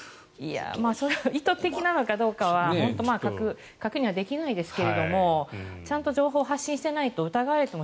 それは意図的なのかどうかは確認はできないですけどちゃんと情報を発信してないと疑われても